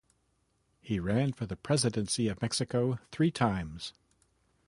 He ran for the presidency of Mexico three times.